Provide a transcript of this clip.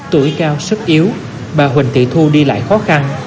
tuổi cao sức yếu bà huỳnh thị thu đi lại khó khăn